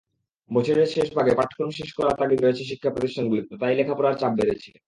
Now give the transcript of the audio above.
বছরের শেষভাগে পাঠ্যক্রম শেষ করার তাগিদ রয়েছে শিক্ষাপ্রতিষ্ঠানগুলোতে, তাই লেখাপড়ার চাপ বেড়েছে।